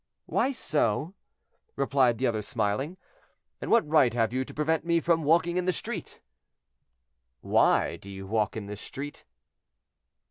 "Why so?" replied the other smiling. "And what right have you to prevent me from walking in the street?" "Why do you walk in this street?"